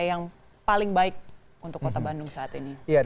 yang paling baik untuk kota bandung saat ini